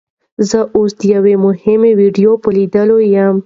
زه اوس د یوې مهمې ویډیو په لیدو یم.